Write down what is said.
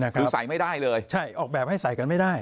คือใส่ไม่ได้เลยใช่ออกแบบให้ใส่กันไม่ได้